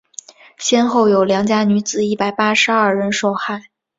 先后有良家女子一百八十二人受害。